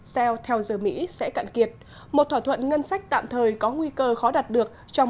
xeo theo giờ mỹ sẽ cạn kiệt một thỏa thuận ngân sách tạm thời có nguy cơ khó đạt được trong